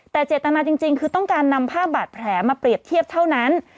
แต่เจตนาจริงคือต้องการนำภาพบาดแผลมาเปรียบเทียบเท่านั้น